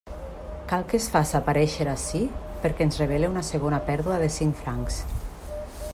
Cal que el faça aparèixer ací perquè ens revele una segona pèrdua de cinc francs.